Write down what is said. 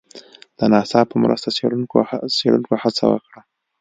د ناسا په مرسته څېړنکو هڅه وکړه